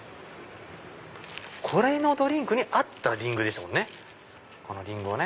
このドリンクに合ったリングでしたもんね。